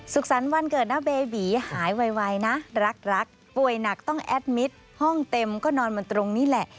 สรรค์วันเกิดนะเบบีหายไวนะรักรักป่วยหนักต้องแอดมิตรห้องเต็มก็นอนมันตรงนี้แหละ